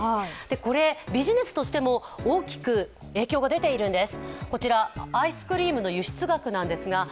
これ、ビジネスとしても大きく影響が出ているんです。